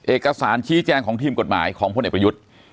เอกสารชี้แจงของทีมกฎหมายของพลเอกประยุทธ์